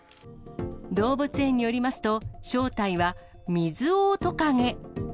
動物園によりますと、正体はミズオオトカゲ。